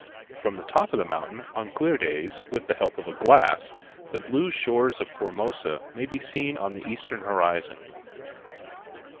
From the top of the mountain on clear days with the help of a glass the blue shores of Formosa may be seen on the eastern horizon.